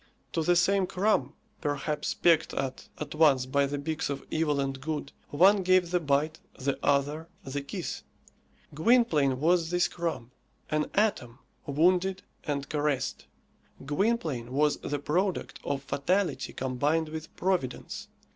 To the same crumb, perhaps pecked at at once by the beaks of evil and good, one gave the bite, the other the kiss. Gwynplaine was this crumb an atom, wounded and caressed. Gwynplaine was the product of fatality combined with Providence.